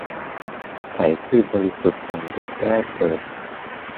ใสซื่อบริสุทธิ์ดั่งเด็กแรกเกิด